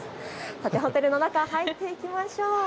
ホテルの中、入っていきましょう。